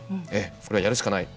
これは、やるしかない。